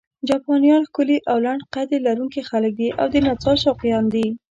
جاپانیان ښکلي او لنډ قد لرونکي خلک دي او د نڅا شوقیان دي.